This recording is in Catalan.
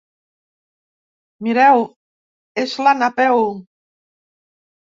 Mireu, és la Napeu!